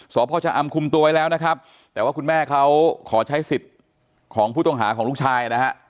สพชะอำคุมตัวไว้แล้วนะครับแต่ว่าคุณแม่เขาขอใช้สิทธิ์ของผู้ต้องหาของลูกชายนะฮะ